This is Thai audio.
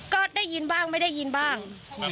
ก็ได้ยินบ้างไม่ได้ยินบ้าง